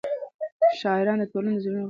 شاعران د ټولنې د زړه غږ وي.